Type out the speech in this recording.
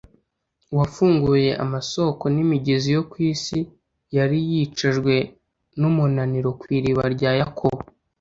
uwafunguye amasoko n’imigezi yo kw’isi, yari yicajwe n’umunaniro kw’iriba rya Yakobo